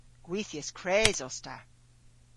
Gwithyas kres os ta.